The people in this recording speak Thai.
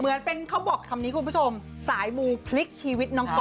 เหมือนเป็นเขาบอกคำนี้คุณผู้ชมสายมูพลิกชีวิตน้องก๊